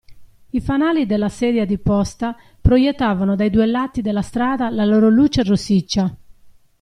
I fanali della sedia di posta proiettavano dai due lati della strada la loro luce rossiccia.